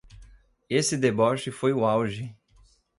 Esse deboche foi o auge